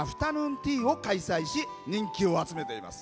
ティーを開催し人気を集めています。